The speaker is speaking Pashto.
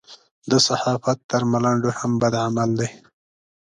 د صحافت تر ملنډو هم بد عمل دی.